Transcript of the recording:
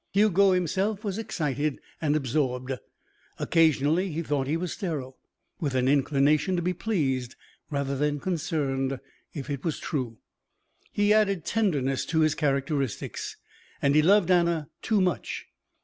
Hugo himself was excited and absorbed. Occasionally he thought he was sterile, with an inclination to be pleased rather than concerned if it was true. He added tenderness to his characteristics. And he loved Anna too much.